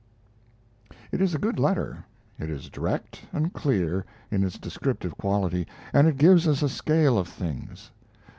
It is a good letter; it is direct and clear in its descriptive quality, and it gives us a scale of things.